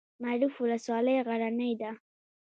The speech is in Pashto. معروف ولسوالۍ غرنۍ ده؟